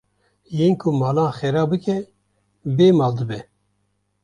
Yên ku malan xera bike bê mal dibe